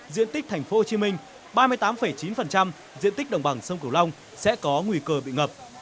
một mươi bảy tám diện tích thành phố hồ chí minh ba mươi tám chín diện tích đồng bằng sông cửu long sẽ có nguy cơ bị ngập